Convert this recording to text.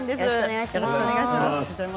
よろしくお願いします。